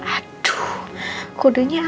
aduh kodenya apa ya